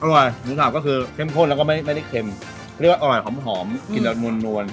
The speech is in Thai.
อร่อยหมูสับก็คือเข้มข้นแล้วก็ไม่ไม่ได้เข้มเขาเรียกว่าอร่อยหอมหอมกลิ่นอ่ะมวนมวน